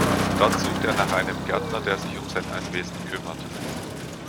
Dort sucht er nach einem Gärtner, der sich um sein Anwesen kümmert.